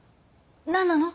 何なの？